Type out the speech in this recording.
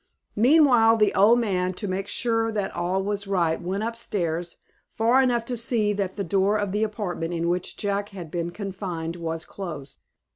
Meanwhile the old man, to make sure that all was right, went up stairs, far enough to see that the door of the apartment in which Jack had been confined was closed.